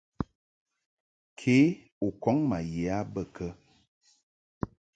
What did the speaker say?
Ke u kɔŋ ma ye bə kə ?